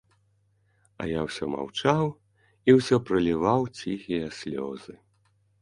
А я ўсё маўчаў і ўсё праліваў ціхія слёзы.